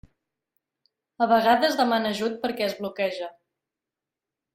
A vegades demana ajut perquè es bloqueja.